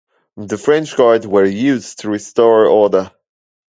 The French Guard were used to restore order.